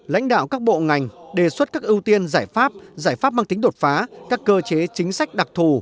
lãnh đạo các bộ ngành đề xuất các ưu tiên giải pháp giải pháp mang tính đột phá các cơ chế chính sách đặc thù